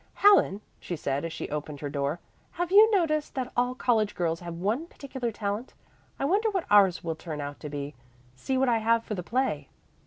"Helen," she said, as she opened her door, "have you noticed that all college girls have one particular talent? I wonder what ours will turn out to be. See what I have for the play."